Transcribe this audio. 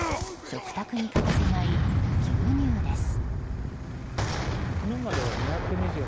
食卓に欠かせない牛乳です。